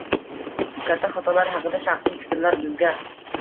Katta xatolar haqida shaxsiy fikrlar Bizga